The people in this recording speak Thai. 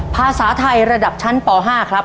ภาษาไทยระดับชั้นป๕ครับ